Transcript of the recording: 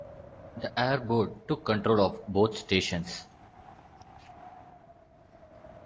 The Air Board took control of both stations.